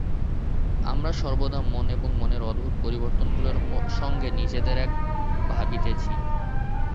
আমরা সর্বদা মন এবং মনের অদ্ভুত পরিবর্তনগুলির সঙ্গে নিজেদের এক ভাবিতেছি।